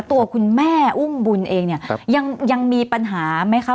ตัวคุณแม่อุ้มบุญเองเนี่ยยังมีปัญหาไหมคะ